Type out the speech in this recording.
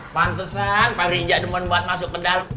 pantesan pak rizak demen buat masuk kedalam